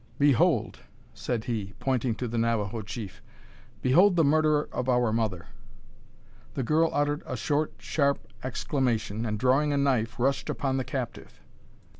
"Behold!" said he, pointing to the Navajo chief; "behold the murderer of our mother!" The girl uttered a short, sharp exclamation; and, drawing a knife, rushed upon the captive.